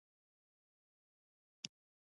په فکرونو کې و.